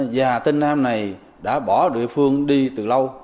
và tên nam này đã bỏ địa phương đi từ lâu